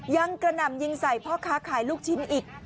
กระหน่ำยิงใส่พ่อค้าขายลูกชิ้นอีก